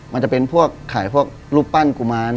มันจะเป็นพวกขายพวกรูปปั้นกุมาร